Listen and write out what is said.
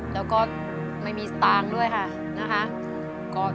แล้วก็ไม่มีสตางค์ด้วยค่ะนะคะ